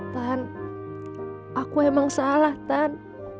tan aku emang salah tan